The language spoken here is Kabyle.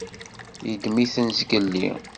Yeddem-iten zgelli.